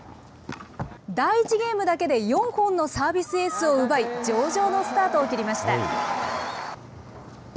第１ゲームだけで４本のサービスエースを奪い、上々のスタートを切りました。